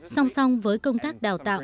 song song với công tác đào tạo